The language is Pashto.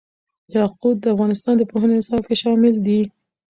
یاقوت د افغانستان د پوهنې نصاب کې شامل دي.